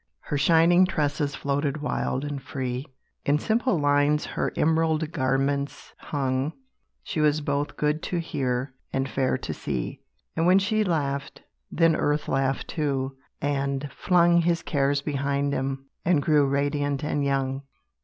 Her shining tresses floated wild and free; In simple lines her emerald garments hung; She was both good to hear, and fair to see; And when she laughed, then Earth laughed too, and flung His cares behind him, and grew radiant and young.